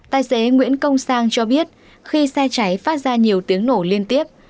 tài xế nguyễn công sang cho biết khi xe cháy phát ra nhiều tiếng nổ liên tiếp